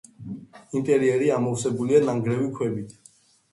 ინტერიერი ამოვსებულია ნანგრევი ქვებით.